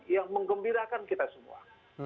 yang mengembirakan kita semua